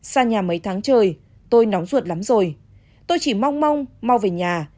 sa nhà mấy tháng trời tôi nóng ruột lắm rồi tôi chỉ mong mong mau về nhà